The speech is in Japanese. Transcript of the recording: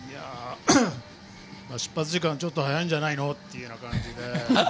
出発時間がちょっと早いんじゃないの？という感じで。